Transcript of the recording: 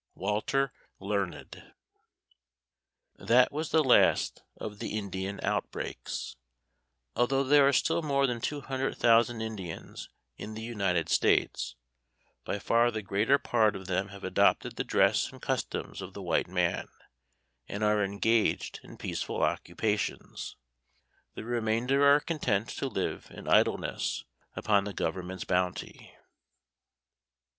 WALTER LEARNED. That was the last of the Indian outbreaks. Although there are still more than two hundred thousand Indians in the United States, by far the greater part of them have adopted the dress and customs of the white man and are engaged in peaceful occupations. The remainder are content to live in idleness upon the government's bounty.